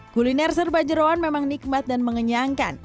kuliner serba jerawan memang nikmat dan mengenyangkan